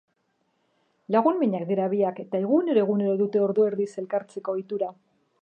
Lagun minak dira biak eta egunero-egunero dute ordu erdiz elkartzeko ohitura.